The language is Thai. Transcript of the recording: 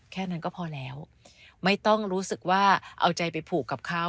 แค่นั้นก็พอแล้วไม่ต้องรู้สึกว่าเอาใจไปผูกกับเขา